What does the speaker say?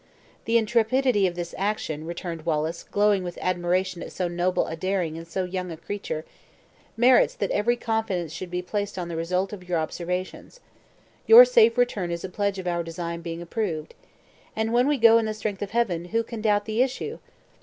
"The intrepidity of this action," returned Wallace, glowing with admiration at so noble a daring in so young a creature, "merits that every confidence should be placed in the result of your observations. Your safe return is a pledge of our design being approved. And when we go in the strength of Heaven, who can doubt the issue?